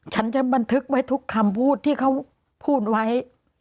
ฉันจะบันทึกไว้ทุกคำพูดที่เขาพูดไว้